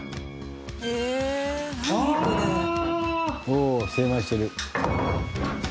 おお精米してる。